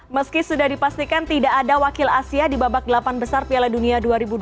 meski sudah dipastikan tidak ada wakil asia di babak delapan besar piala dunia dua ribu dua puluh